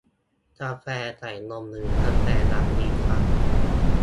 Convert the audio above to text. กาแฟใส่นม หรือกาแฟดำดีครับ